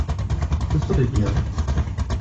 Ce serait bien.